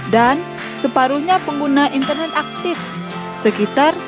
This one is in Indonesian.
dan itu belum termasuk pada pengguna internet yang menggunakan lebih dari satu smartphone